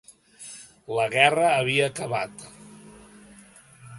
La guerra havia acabat.